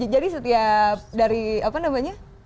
jadi setiap dari apa namanya